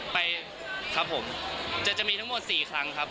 ไปครับผมจะมีทั้งหมด๔ครั้งครับ